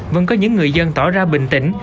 vẫn có những người dân tỏ ra bình tĩnh